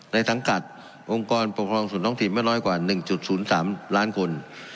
สังกัดองค์กรปกครองส่วนท้องถิ่นไม่น้อยกว่า๑๐๓ล้านคน